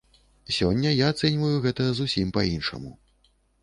Сёння я ацэньваю гэта зусім па-іншаму.